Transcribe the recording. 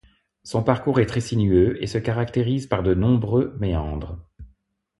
Son parcours est très sinueux et se caractérise par de nombreux méandres.